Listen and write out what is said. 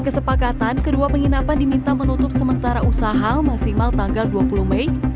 kesepakatan kedua penginapan diminta menutup sementara usaha maksimal tanggal dua puluh mei sampai waktu yang belum ditentukan